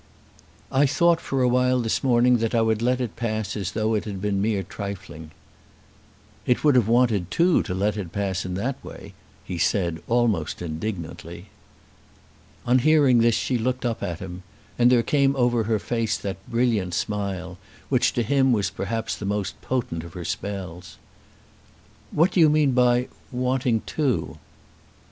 "I thought for a while this morning that I would let it pass as though it had been mere trifling." "It would have wanted two to let it pass in that way," he said, almost indignantly. On hearing this she looked up at him, and there came over her face that brilliant smile, which to him was perhaps the most potent of her spells. "What do you mean by wanting two?"